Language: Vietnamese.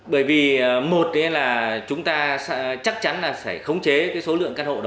bởi vì một là chúng ta chắc chắn là sẽ khống chế số lượng căn hộ đó